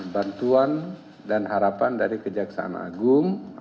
bantuan dan harapan dari kejaksaan agung